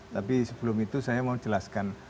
tapi sebelum itu saya mau jelaskan